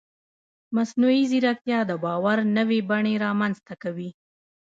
مصنوعي ځیرکتیا د باور نوې بڼې رامنځته کوي.